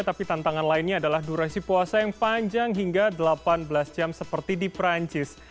tapi tantangan lainnya adalah durasi puasa yang panjang hingga delapan belas jam seperti di perancis